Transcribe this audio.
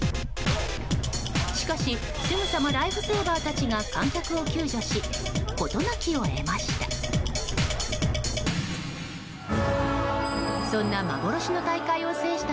しかし、すぐさまライフセーバーたちが観客を救助し事なきを得ました。